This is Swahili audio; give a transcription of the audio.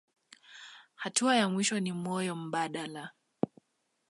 Hatua ya mwisho ni moyo mbadala.